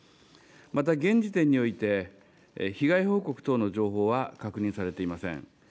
また現時点において、被害報告等の情報は確認されていません。